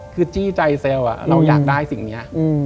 คือจี้ใจแซวเราอยากได้สิ่งนี้